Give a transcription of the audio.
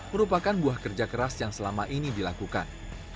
merupakan buah kerja keras yang selama ini dilakukan